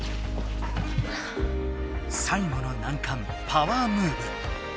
最後のなんかんパワームーブ。